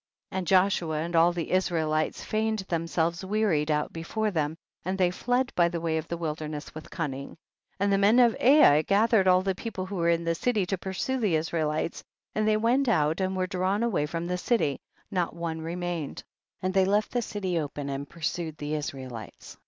42. And Joshua and all the Israel ites feigned themselves wearied out before them, and they fled by the way of the wilderness with cunning. 43. And the men of Ai gathered all the people who were in the city to pursue the Israelites, and they went out and were drawn awav from the city, not one remained, and they left the city open and pursued the Israelites.